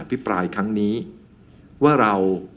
พิปรายครั้งนี้ว่าเรา